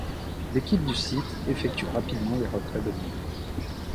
L'équipe du site effectue rapidement les retraits demandés.